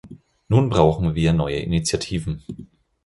Nun brauchen wir neue Initiativen.